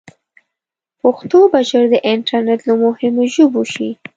پښتو به ژر د انټرنیټ له مهمو ژبو شي.